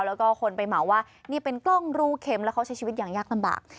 แล้วก็คนไปเหมาว่านี่เป็นกล้องรูเข็มแล้วเขาใช้ชีวิตอย่างยากลำบาก